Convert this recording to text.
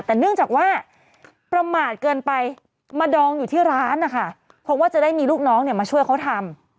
แต่เนื่องจากว่าประมาทเกินไปมาดองอยู่ที่ร้านนะคะเพราะว่าจะได้มีลูกน้องเนี่ยมาช่วยเขาทำ